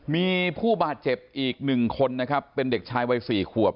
มีผู้บาดเจ็บอีก๑คนนะครับเป็นเด็กชายวัย๔ขวบ